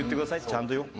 ちゃんと言おう。